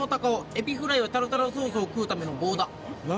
“エビフライはタルタルソースを食うための棒だ”」